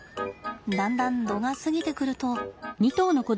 だんだん度が過ぎてくると。